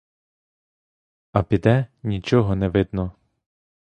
А піде — нічого не видно!